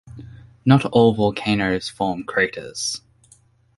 Not all volcanoes form craters.